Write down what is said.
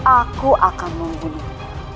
aku akan membunuhmu